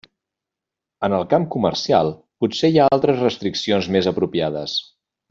En el camp comercial, potser hi ha altres restriccions més apropiades.